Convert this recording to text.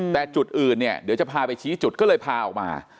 แต่จุดอื่นเนี่ยเดี๋ยวจะพาไปชี้จุดก็เลยพาออกมา